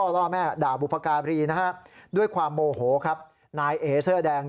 เล่าแม่ด่าบุภรรีด้วยความโมโหครับนายเอ๋เสื้อแดง